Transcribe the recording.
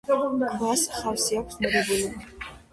ქვას ხავსი აქვს მოდებული.